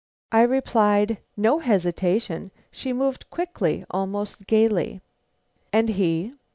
I replied: "No hesitation; she moved quickly, almost gaily." "And he?"